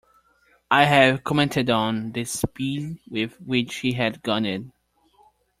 I have commented on the speed with which he had gone in.